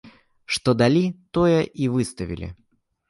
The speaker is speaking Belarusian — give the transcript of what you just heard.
Што далі, тое і выставілі.